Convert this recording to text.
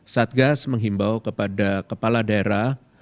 satgas menghimbau kepada kepala daerah